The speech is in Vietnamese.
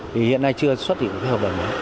thì hiện nay chưa xuất hiện hợp đồng đó